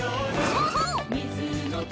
そうそう！